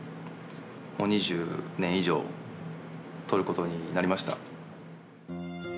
もう２０年以上撮ることになりました。